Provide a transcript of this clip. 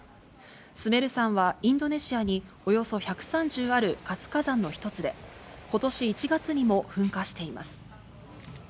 スメル山はインドネシアにおよそ１３０ある活火山の一つで、今年１月にも噴火しています。